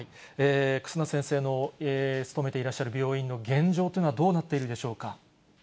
忽那先生の勤めていらっしゃる病院の現状というのは、どうなっているでしょうか。